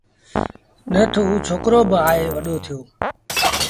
نيٺ اُ ڇوڪرو با آئي وڏو ٿيو